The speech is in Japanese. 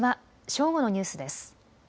正午のニュースです。